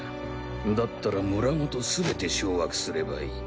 だったら村ごとすべて掌握すればいい。